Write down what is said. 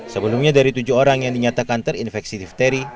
sebelumnya dari tujuh orang yang dinyatakan terinfeksi difteri